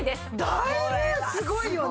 だいぶすごいよね。